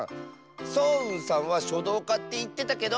そううんさんはしょどうかっていってたけど。